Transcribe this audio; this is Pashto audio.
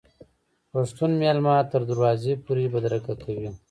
پښتون میلمه تر دروازې پورې بدرګه کوي.